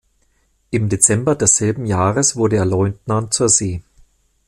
Im Dezember desselben Jahres wurde er Leutnant zur See.